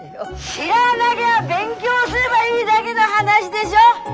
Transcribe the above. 知らなぎゃ勉強すればいいだげの話でしょ？